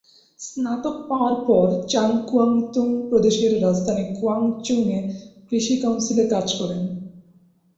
স্নাতক পাওয়ার পর চাং কুয়াংতুং প্রদেশের রাজধানী কুয়াংচৌ-এ কৃষি কাউন্সিলে কাজ করেন।